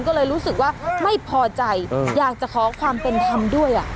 ก็เลยรู้สึกว่าไม่พอใจอยากจะขอความเป็นธรรมด้วย